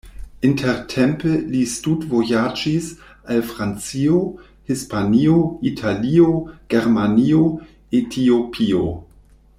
Intertempe li studvojaĝis al Francio, Hispanio, Italio, Germanio, Etiopio.